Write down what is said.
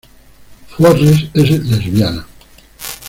Forrest es lesbiana.